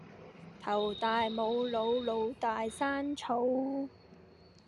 頭大冇腦，腦大生草